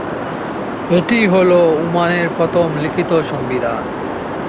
এটিই হলো ওমানের প্রথম লিখিত "সংবিধান"।